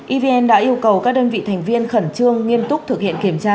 evn đã yêu cầu các đơn vị thành viên khẩn trương nghiêm túc thực hiện kiểm tra